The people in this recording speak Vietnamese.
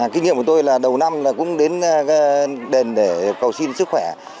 kinh nghiệm của tôi là đầu năm là cũng đến đền để cầu xin sức khỏe